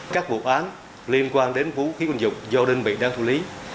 các vụ án liên quan đến vũ khí quân dục do đơn vị đang thu lý